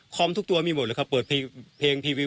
คอมทุกตัวมีหมดละครับเปิดเพลงพรีเวียว